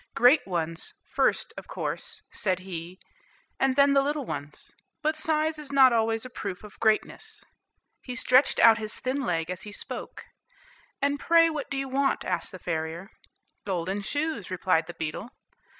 "Great ones, first, of course," said he, "and then the little ones; but size is not always a proof of greatness." He stretched out his thin leg as he spoke. "And pray what do you want?" asked the farrier. "Golden shoes," replied the beetle.